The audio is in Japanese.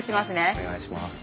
お願いします。